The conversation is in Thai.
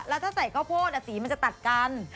แล้วถ้าใส่ข้าวโพดสีมันจะตัดกัน